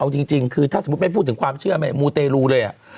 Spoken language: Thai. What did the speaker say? เอาจริงคือถ้าสมมุติไม่พูดถึงความเชื่อมูเตรลูเลย